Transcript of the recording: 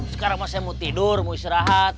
sekarang mas saya mau tidur mau istirahat